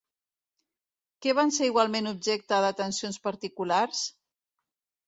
Què van ser igualment objecte d'atencions particulars?